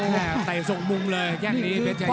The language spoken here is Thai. เตะส่งมุมเลยแค่นี้เพชยายับ